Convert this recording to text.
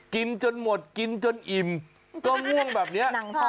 กินจนหมดแล้วดูสิกินจนเกลี้ยงแล้ว